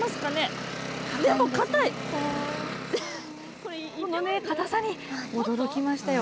この固さに驚きましたよ。